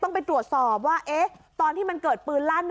ต้องไปตรวจสอบว่าตอนที่มันเกิดปืนลั่น